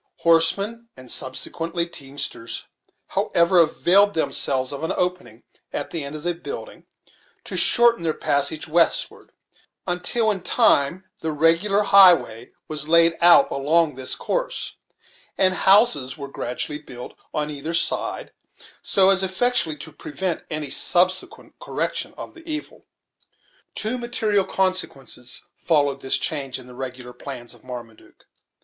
Horsemen, and subsequently teamsters, however, availed themselves of an opening, at the end of the building, to shorten their passage westward, until in time the regular highway was laid out along this course, and houses were gradually built on either side, so as effectually to prevent any subsequent correction of the evil. Two material consequences followed this change in the regular plans of Marmaduke.